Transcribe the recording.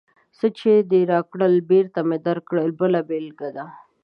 څه چې دې راکړل، بېرته مې درکړل بله بېلګه ده.